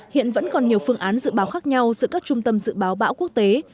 hiện vẫn còn nhiều phương án dự báo khác nhau giữa các trung tâm dự báo bão quốc tế